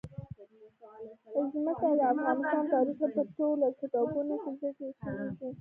ځمکه د افغان تاریخ په ټولو کتابونو کې ذکر شوی دي.